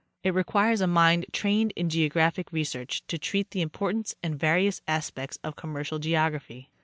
It requires a mind trained in geographic research to treat the important and various aspects of commercial geography.